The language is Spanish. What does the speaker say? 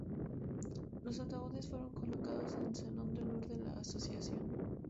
Los ataúdes fueron colocados en el Salón de Honor de la Asociación.